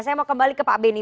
saya mau kembali ke pak beni